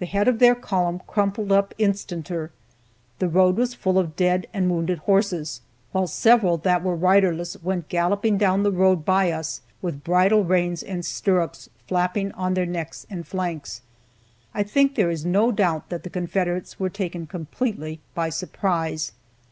The head of their column crumpled up instanter, the road was full of dead and wounded horses, while several that were riderless went galloping down the road by us, with bridle reins and stirrups flapping on their necks and flanks. I think there is no doubt that the Confederates were taken completely by surprise.